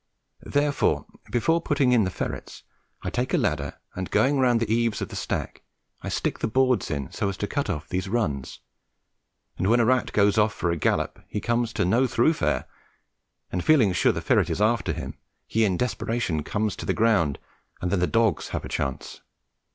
Therefore, before putting in the ferrets, I take a ladder, and going round the eaves of the stack I stick the boards in so as to cut off these runs, and when a rat goes off for a gallop he comes to "no thoroughfare," and feeling sure the ferret is after him, he in desperation comes to the ground, and then the dogs can have a chance.